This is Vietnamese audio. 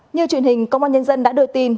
như truyền hình công an nhân dân đã đưa tin